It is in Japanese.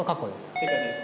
正解です。